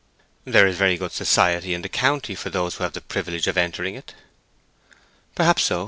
"There is very good society in the county for those who have the privilege of entering it." "Perhaps so.